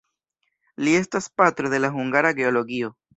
Li estas "patro" de la hungara geologio.